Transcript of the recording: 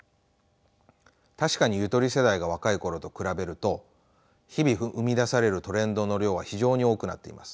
確かにゆとり世代が若い頃と比べると日々生み出されるトレンドの量は非常に多くなっています。